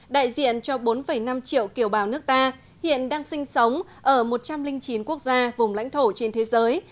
đại diện cho bốn năm triệu kiều bào nước ta hiện đang sinh sống ở một trăm linh chín quốc gia vùng lãnh thổ trên thế giới